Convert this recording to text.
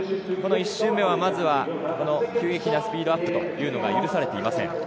１周目は急激なスピードアップというのが許されていません。